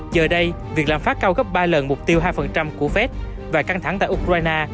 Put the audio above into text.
giờ đây việc lạm phát cao gấp ba lần mục tiêu hai của fed và căng thẳng tại ukraine